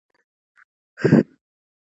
چې له دريشۍ سره روږدى سم.